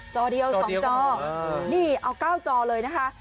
จอเดียว๒จอนี่เอา๙จอเลยนะคะ